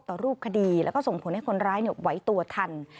ต่อรูปคดีและส่งผลให้คนร้ายไหว้ตัวทัน